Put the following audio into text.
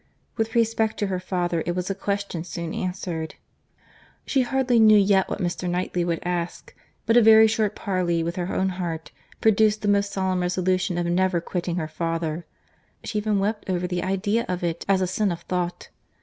With respect to her father, it was a question soon answered. She hardly knew yet what Mr. Knightley would ask; but a very short parley with her own heart produced the most solemn resolution of never quitting her father.—She even wept over the idea of it, as a sin of thought.